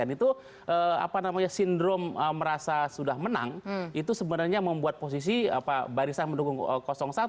itu apa namanya sindrom merasa sudah menang itu sebenarnya membuat posisi barisan mendukung satu